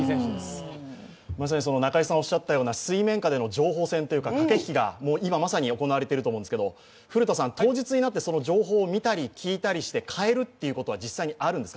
まさに中居さんがおっしゃったような水面下の情報戦というか駆け引きが今まさに行われていると思うんですけど当日になってその情報を見たり、聞いたりして変えることは実際にあるんですか？